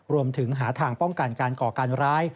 รวมถึงหาทางป้องกันการก่อการร้าย